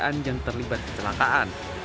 kedaraan yang terlibat kecelakaan